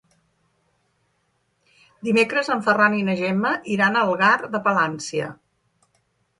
Dimecres en Ferran i na Gemma iran a Algar de Palància.